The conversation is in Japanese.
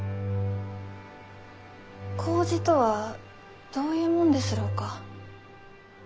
麹とはどういうもんですろうか？